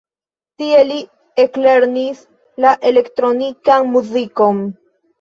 Tie li eklernis la elektronikan muzikon.